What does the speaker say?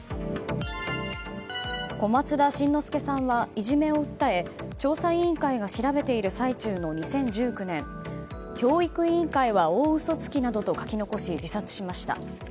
小松田辰乃輔さんはいじめを訴え調査委員会が調べている最中の２０１９年教育委員会は大嘘つきなどと書き残し自殺しました。